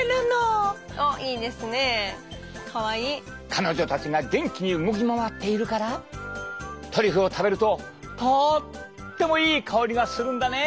彼女たちが元気に動き回っているからトリュフを食べるととってもいい香りがするんだね。